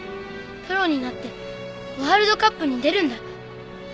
プロになってワールドカップに出るんだ！